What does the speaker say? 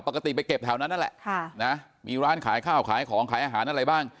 ไปเก็บแถวนั้นนั่นแหละมีร้านขายข้าวขายของขายอาหารอะไรบ้าง